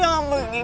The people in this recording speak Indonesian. abang jangan pergi